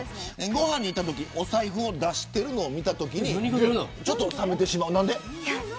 ご飯に行ったときお財布を出しているのを見たときに冷めてしまう。